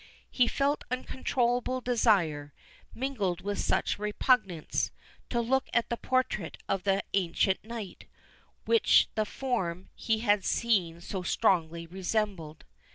He felt an uncontrollable desire, mingled with much repugnance, to look at the portrait of the ancient knight, which the form he had seen so strongly resembled.